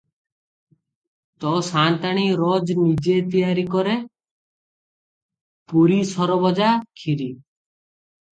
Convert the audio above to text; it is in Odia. ତୋ’ ସା’ନ୍ତାଣୀ ରୋଜ ନିଜେ ତିଆରି କରେ ପୁରି, ସରଭଜା, କ୍ଷୀରୀ ।